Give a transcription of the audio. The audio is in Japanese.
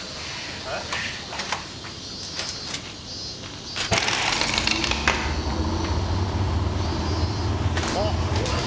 あっあっ。